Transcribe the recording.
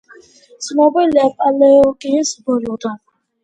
ცნობილია პალეოგენის ბოლოდან.